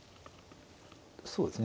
そうですね